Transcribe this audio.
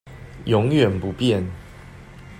永遠不變